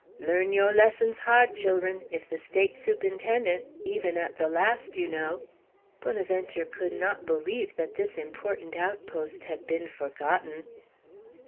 "Learn yo' lessons hard, chil'run; if the State Sup'inten'ent, even at the last, you know" Bonaventure could not believe that this important outpost had been forgotten.